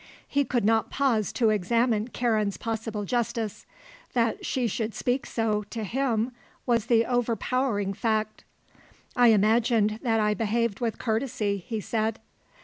He could not pause to examine Karen's possible justice; that she should speak so, to him, was the overpowering fact. "I imagined that I behaved with courtesy," he said.